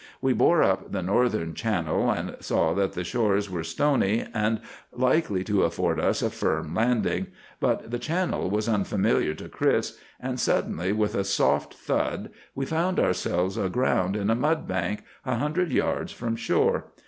We bore up the northern channel, and saw that the shores were stony and likely to afford us a firm landing; but the channel was unfamiliar to Chris, and suddenly, with a soft thud, we found ourselves aground in a mud bank, a hundred yards from shore.